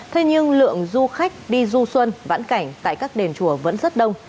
thế nhưng lượng du khách đi du xuân vãn cảnh tại các đền chùa vẫn rất đông